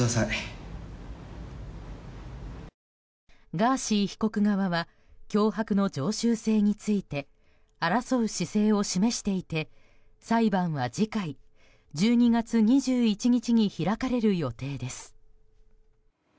ガーシー被告側は脅迫の常習性について争う姿勢を示していて裁判は次回１２月２１日に開かれる予定です。